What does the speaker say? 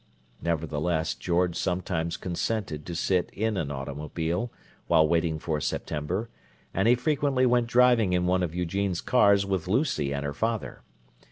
Nevertheless, George sometimes consented to sit in an automobile, while waiting for September, and he frequently went driving in one of Eugene's cars with Lucy and her father.